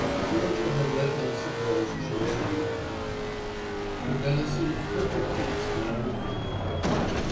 (Georgia had let them suppose she was unmarried.) The benison of perfect peace now enfolded her.